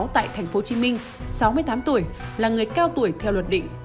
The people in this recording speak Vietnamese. tại tp hcm sáu mươi tám tuổi là người cao tuổi theo luật định